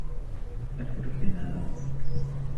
ألف شكر على لطفك.